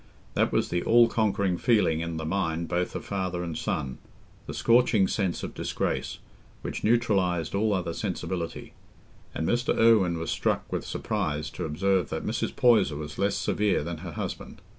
That was the all conquering feeling in the mind both of father and son—the scorching sense of disgrace, which neutralised all other sensibility—and Mr. Irwine was struck with surprise to observe that Mrs. Poyser was less severe than her husband.